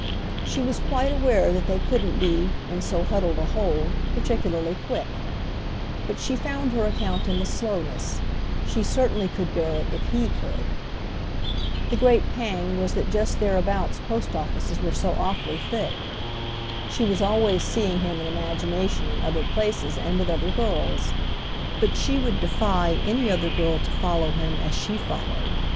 She was quite aware that they couldn't be, in so huddled a hole, particularly quick; but she found her account in the slowness—she certainly could bear it if he could. The great pang was that just thereabouts post offices were so awfully thick. She was always seeing him in imagination in other places and with other girls. But she would defy any other girl to follow him as she followed.